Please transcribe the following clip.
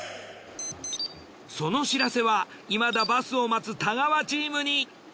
その知らせはいまだバスを待つ太川チームに。